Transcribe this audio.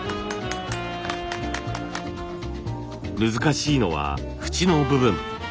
難しいのはフチの部分。